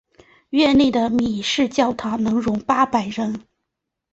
院内的米市教堂能容八百人。